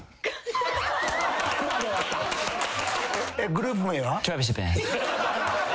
グループ名は？